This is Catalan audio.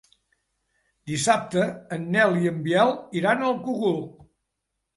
Dissabte en Nel i en Biel iran al Cogul.